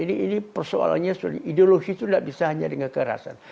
ini persoalannya sorry ideologi itu tidak bisa hanya dengan kekerasan